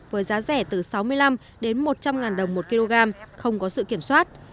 với giá rẻ từ sáu mươi năm đến một trăm linh đồng một kg không có sự kiểm soát